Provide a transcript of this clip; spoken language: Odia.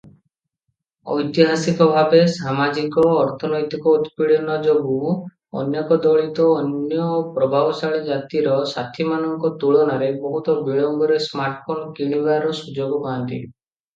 ଐତିହାସିକ ଭାବେ ସାମାଜିକ-ଅର୍ଥନୈତିକ ଉତ୍ପୀଡ଼ନ ଯୋଗୁଁ ଅନେକ ଦଳିତ ଅନ୍ୟ ପ୍ରଭାବଶାଳୀ ଜାତିର ସାଥୀମାନଙ୍କ ତୁଳନାରେ ବହୁତ ବିଳମ୍ବରେ ସ୍ମାର୍ଟଫୋନ କିଣିବା ସୁଯୋଗ ପାଆନ୍ତି ।